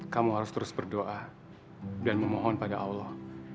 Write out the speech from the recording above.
kamu harus terus berdoa dan memohon pada allah